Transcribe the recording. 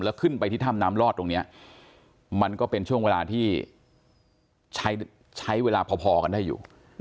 แล้วขึ้นไปที่ถ้ำน้ำลอดตรงนี้มันก็เป็นช่วงเวลาที่ใช้เวลาพอกันได้อยู่